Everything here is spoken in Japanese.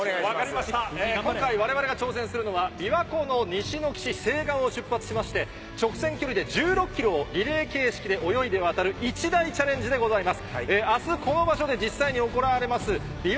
今回、我々が挑戦するのはびわ湖の西の岸を出発して直線距離で１６ｋｍをリレー形式で泳いで渡る一大チャレンジでございます。